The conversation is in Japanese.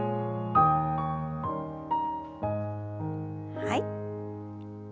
はい。